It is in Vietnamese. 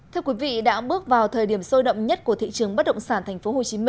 thưa quý vị đã bước vào thời điểm sôi động nhất của thị trường bất động sản tp hcm